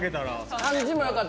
漢字もよかった